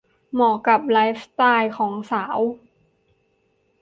เหมาะกับไลฟ์สไตล์ของสาว